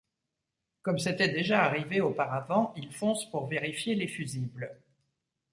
Comme c’était déjà arrivé auparavant il fonce pour vérifier les fusibles.